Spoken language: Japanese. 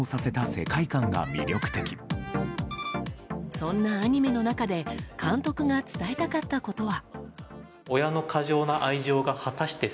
そんなアニメの中で監督が伝えたかったことは。